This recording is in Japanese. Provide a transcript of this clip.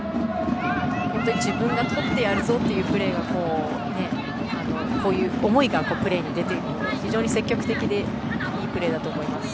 自分がとってやるぞというプレーがそういう思いがプレーに出ていたので積極的でいいプレーだと思います。